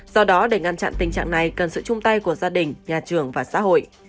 do đó để ngăn chặn tình trạng này cần sự chung tay của gia đình nhà trường và xã hội